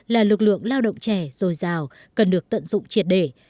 là lực lượng lao động trẻ rồi giàu cần được tận dụng triệt đề